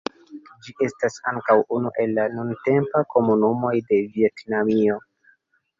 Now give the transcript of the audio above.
Ĝi estas ankaŭ unu el la nuntempa komunumoj de Vjetnamio.